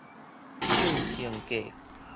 漲停價